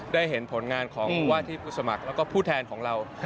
ได้เห็นผลงานของว่าที่ผู้สมัครแล้วก็ผู้แทนของเรา